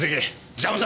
邪魔だ。